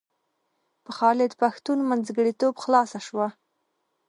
په خالد پښتون منځګړیتوب خلاصه شوه.